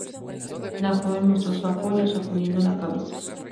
La joven mostró su apoyo sacudiendo la cabeza.